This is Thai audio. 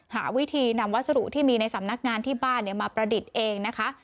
หาวิธีนำวัสดุที่มีในสำนักงานที่บ้านมาประดิษฐ์เองนะคะ